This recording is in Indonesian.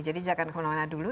jadi jangan kemana mana dulu